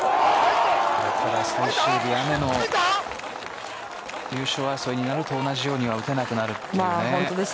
最終日、雨の優勝争いになると同じようには打てなくなるという。